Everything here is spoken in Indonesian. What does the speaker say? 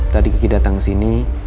tadi kiki datang sini